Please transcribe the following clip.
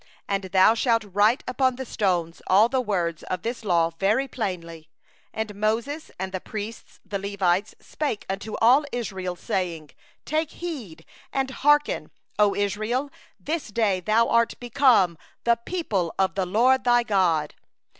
8And thou shalt write upon the stones all the words of this law very plainly.' 9And Moses and the priests the Levites spoke unto all Israel, saying: 'Keep silence, and hear, O Israel; this day thou art become a people unto the LORD thy God.